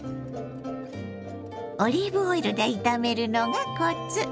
オリーブオイルで炒めるのがコツ。